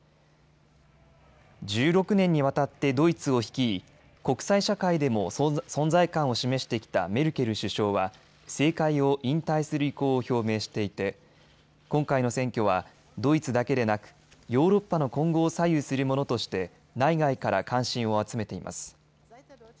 １６年にわたってドイツを率い、国際社会でも存在感を示してきたメルケル首相は政界を引退する意向を表明していて今回の選挙はドイツだけでなくヨーロッパの今後を左右するものとして内外から関心を集めています。